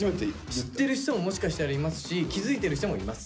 知ってる人ももしかしたらいますし気付いてる人もいます。